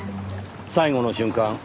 最期の瞬間